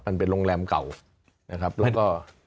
มันเป็นโรงแรมเก่านะครับแล้วก็